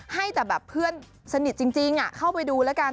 ให้แต่แบบเพื่อนสนิทจริงเข้าไปดูแล้วกัน